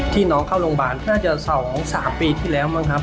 น้องเข้าโรงพยาบาลน่าจะ๒๓ปีที่แล้วมั้งครับ